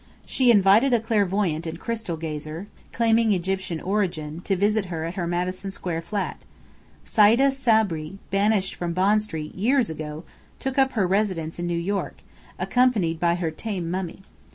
She invited a clairvoyant and crystal gazer, claiming Egyptian origin, to visit at her Madison Square flat. Sayda Sabri, banished from Bond Street years ago, took up her residence in New York, accompanied by her tame mummy.